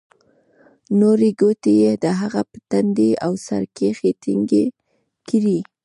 نورې گوتې يې د هغه په تندي او سر کښې ټينگې کړې.